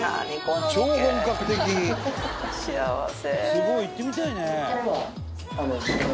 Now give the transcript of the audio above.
「すごい！行ってみたいね」